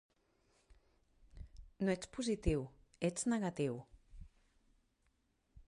No ets positiu, ets negatiu.